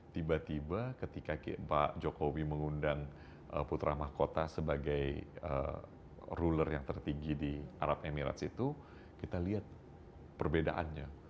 tiba tiba ketika pak jokowi mengundang putra mahkota sebagai ruler yang tertinggi di arab emirates itu kita lihat perbedaannya